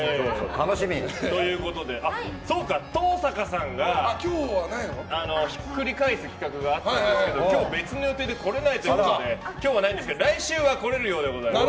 そうか、登坂さんがひっくり返す企画があったんですけど今日別の予定で来れないということで今日はないんですが来週は来れるようです。